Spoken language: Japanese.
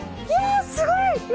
すごい。